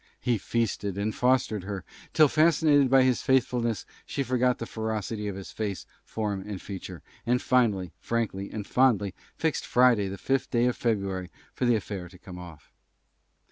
He Feasted and Fostered her, till Fascinated by his Faithfulness, she Forgot the Ferocity of his Face, Form, and Feature, and Finally, Frankly, and Fondly Fixed Friday, the Fifth day of February For the affair to come off.